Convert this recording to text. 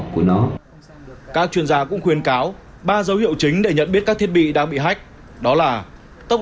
của nó các chuyên gia cũng khuyên cáo ba dấu hiệu chính để nhận biết các thiết bị đang bị hách đó là tốc